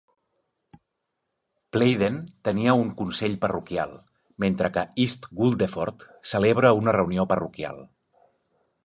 Playden tenia un consell parroquial, mentre que East Guldeford celebra una reunió parroquial.